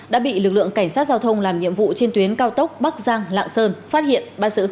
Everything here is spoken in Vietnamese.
đã bị lực lượng cảnh sát giao thông làm nhiệm vụ trên tuyến cao tốc bắc giang lạng sơn phát hiện bắt giữ